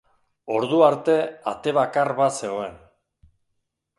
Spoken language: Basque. Ordu arte, ate bakar bat zegoen.